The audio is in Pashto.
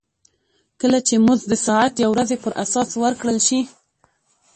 کله چې مزد د ساعت یا ورځې پر اساس ورکړل شي